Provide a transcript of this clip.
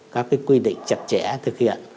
các cái quy định chặt chẽ thực hiện